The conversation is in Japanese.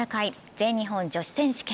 全日本女子選手権。